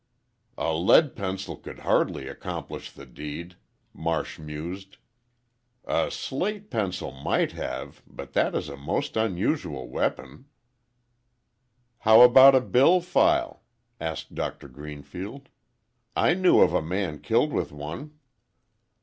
"A lead pencil could hardly accomplish the deed," Marsh mused. "A slate pencil might have—but that is a most unusual weapon." "How about a bill file?" asked Doctor Greenfield. "I knew of a man killed with one."